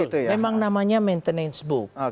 ya betul memang namanya maintenance book